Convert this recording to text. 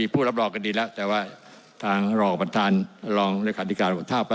ผู้รับรองก็ดีครับนะครับ